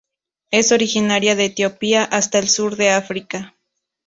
Es originaria de Etiopía hasta el sur de África.